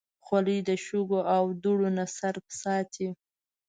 خولۍ د شګو او دوړو نه سر ساتي.